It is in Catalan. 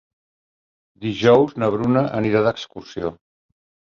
Dijous na Bruna anirà d'excursió.